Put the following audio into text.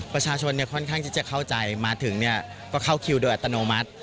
ประชาชนค่อนข้างที่จะเข้าใจมาถึงเนี่ยก็เข้าคิวโดยอัตโนมัติ